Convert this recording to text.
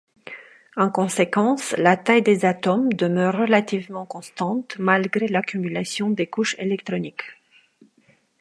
En conséquence, la taille des atomes demeure relativement constante malgré l'accumulation des couches électroniques.